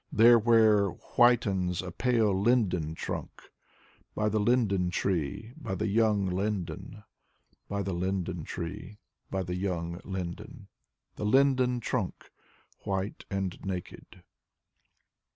There where whitens a pale linden trunk. By the linden tree, by the young linden, By the linden tree, by the young linden, The linden trunk White and naked.